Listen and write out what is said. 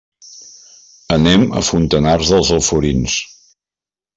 Anem a Fontanars dels Alforins.